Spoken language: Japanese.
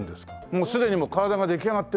もうすでに体が出来上がってる？